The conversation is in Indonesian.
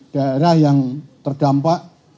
daerah yang terdampak